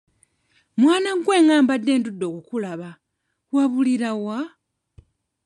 Mwana gwe nga mbadde ndudde okukulaba wabulira wa?